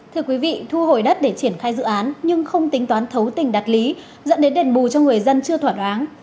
thưa quý vị thu hồi đất để triển khai dự án nhưng không tính toán thấu tình đặt lý dẫn đến đền bù cho người dân chưa thỏa đáng